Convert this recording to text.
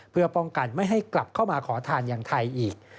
เพื่อป้องกันไม่ให้กลับเข้ามาขอทานอย่างไทยอีก